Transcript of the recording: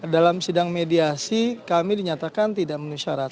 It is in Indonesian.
dalam sidang mediasi kami dinyatakan tidak memenuhi syarat